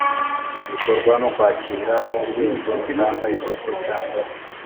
bikorwa no kwakirwa n urwego rutanga isoko cyangwa